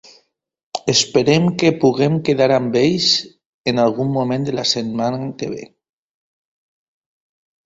Esperem que puguem quedar amb ells en algun moment de la setmana que ve.